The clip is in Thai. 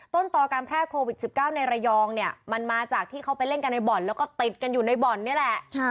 ต้นต่อการแพร่โควิด๑๙ในระยองเนี่ยมันมาจากที่เขาไปเล่นกันในบ่อนแล้วก็ติดกันอยู่ในบ่อนนี่แหละ